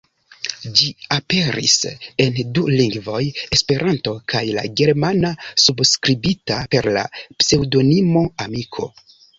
Ĝi aperis en du lingvoj: Esperanto kaj la germana, subskribita per la pseŭdonimo "Amiko".